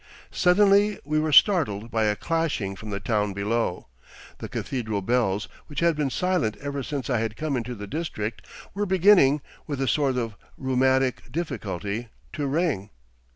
'Suddenly we were startled by a clashing from the town below. The cathedral bells, which had been silent ever since I had come into the district, were beginning, with a sort of rheumatic difficulty, to ring.